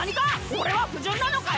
俺は不純なのかよ！